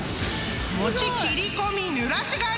［餅切り込みぬらし我流！］